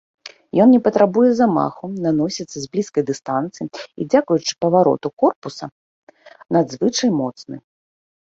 Ён не патрабуе замаху, наносіцца з блізкай дыстанцыі і дзякуючы павароту корпуса надзвычай моцны.